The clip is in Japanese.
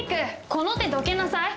この手どけなさい！